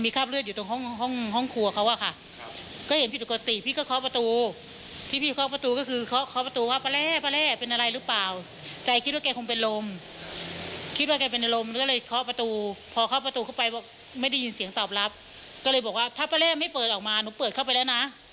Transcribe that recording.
ก็เลยบอกว่าถ้าแป๊บแรกไม่เปิดออกมาหนูเปิดเข้าไปแล้วนะ